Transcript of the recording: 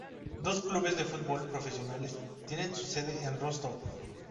Dos clubes de fútbol profesionales tienen su sede en Rostov.